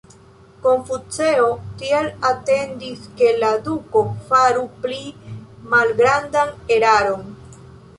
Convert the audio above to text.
Konfuceo tial atendis ke la duko faru pli malgrandan eraron.